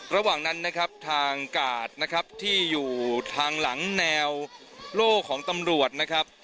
ระหว่างนั้นนะครับทางกาดนะครับที่อยู่ทางหลังแนวโล่ของตำรวจนะครับ